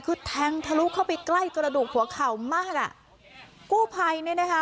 คือแทงทะลุเข้าไปใกล้กระดูกหัวเข่ามากอ่ะกู้ภัยเนี่ยนะคะ